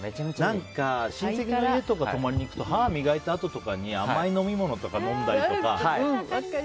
なんか、親戚の家とかに泊まりに行くと歯を磨いたあととかに甘い飲み物とか飲んだりとか。